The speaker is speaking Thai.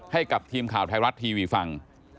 ให้กับทีมข่าวไทยรัฐทีวีฟัง